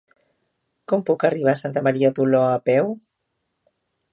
Com puc arribar a Santa Maria d'Oló a peu?